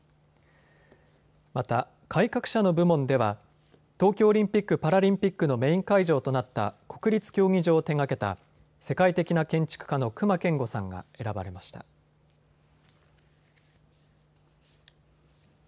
また、改革者の部門では東京オリンピック・パラリンピックのメイン会場となった国立競技場を手がけた世界的な建築家の隈研吾さんが選ばれました。